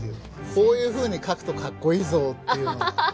こういうふうに描くとかっこいいぞっていうのが。